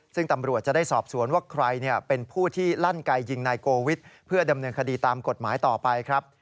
ซึ่งตำรวจจะได้สอบสวนว่าใครเป็นผู้ที่ลั่นไกยิงนายโกวิทเพื่อดำเนินคดีตามกฎหมายต่อไปครับ